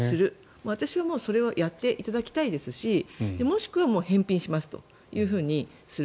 私はそれをやっていただきたいですしもしくは返品しますとする。